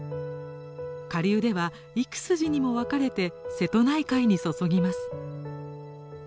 下流では幾筋にも分かれて瀬戸内海に注ぎます。